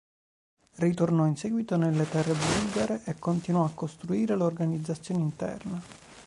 Ritornò in seguito nelle terre bulgare e continuò a costruire l'Organizzazione interna.